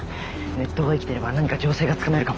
ネットが生きていれば何か情勢がつかめるかも。